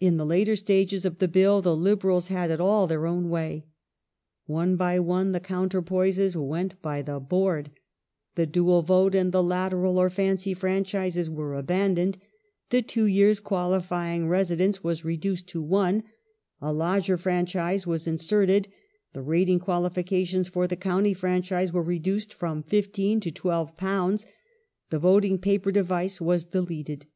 In the later stages ^h^^Ri?^ of the Bill the Liberals had it all their own way. One by one the counterpoises went by the board ; the dual vote and the lateral or fancy franchises were abandoned ; the two years' qualifying resi dence was reduced to one ; a lodger franchise was insei*ted ; the rating qualification for the county franchise was reduced from £15 to £12 ; the voting paper device was deleted.